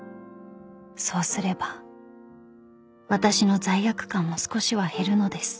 ［そうすれば私の罪悪感も少しは減るのです］